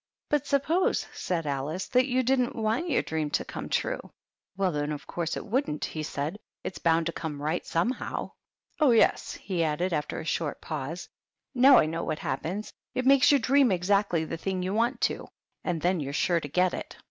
"But suppose," said Alice, "that you didn't want your dream to come true." "Well, then, of course it wouldn't," he said; "it's bound to come right somehow." " Oh, yes," he added, after a short pause, " now I know what happens. It makes you dream ex actly the thing you want to. And then you're sure to get it."